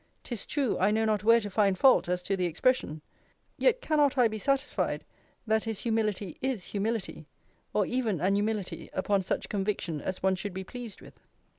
'Tis true, I know not where to find fault as to the expression; yet cannot I be satisfied, that his humility is humility; or even an humility upon such conviction as one should be pleased with.